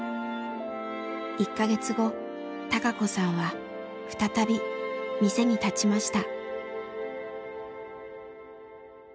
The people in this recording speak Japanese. １か月後孝子さんは再び店に立ちました。